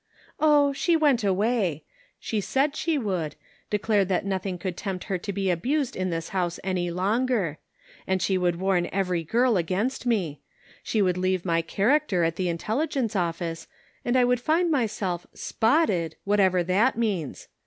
" Oh, she went away. She said she would ; declared that nothing could tempt her to be abused in this house any longer, and she would warn every girl against me ; she would leave my character at the intelligence office, and I would find myself spotted, whatever that means.